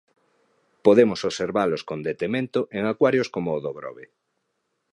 Podemos observalos con detemento en acuarios como o do Grove.